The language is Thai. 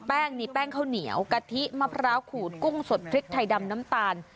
มีแป้งข้าวเหนียวกะทิมะพร้าวขูดกุ้งสดพริกไทยดำน้ำตาล